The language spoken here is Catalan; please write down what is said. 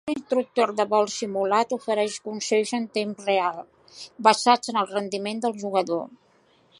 Un instructor de vol simulat ofereix consells en temps real basats en el rendiment del jugador.